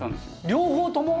両方とも？